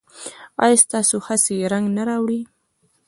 ایا ستاسو هڅې رنګ نه راوړي؟